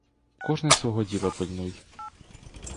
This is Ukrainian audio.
Кожний свого діла пильнуй.